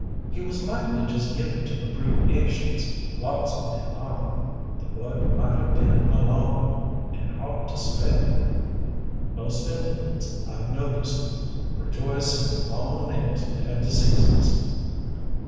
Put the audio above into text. "He was likely just given to abbreviations. Lots of men are. The word might have been a long one, and hard to spell." "Most invalids, I've noticed, rejoice in the long names of their diseases!"